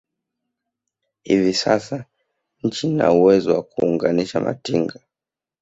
Hivi sasa nchi ina uwezo wa kuunganisha matinga